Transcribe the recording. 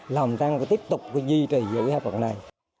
là hồng tăng có tiếp tục duy trì giữ các phần này